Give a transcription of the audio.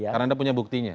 karena anda punya buktinya